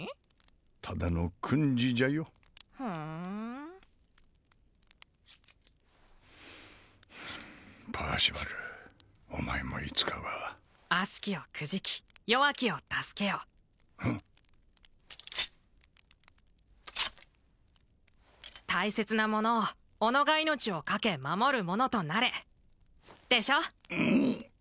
ただの訓示じゃよふんパーシバルお前もいつかは悪しきをくじき弱きを助けよ大切なものを己が命を懸け守る者となれでしょ？